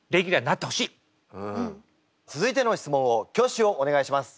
続いての質問を挙手をお願いします。